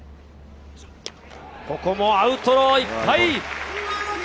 ここもアウトローいっぱい。